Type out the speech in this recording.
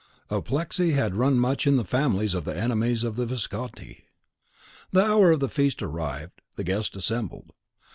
Apoplexy had run much in the families of the enemies of the Visconti! The hour of the feast arrived, the guests assembled.